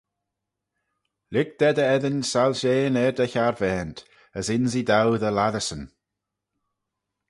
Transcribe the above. Lhig da dt'eddin soilshean er dty harvaant: as ynsee dou dty lattyssyn.